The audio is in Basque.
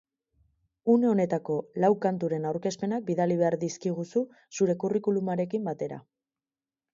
Une honetako lau kanturen aurkezpenak bidali behar dizkiguzu zure curriculumarekin batera.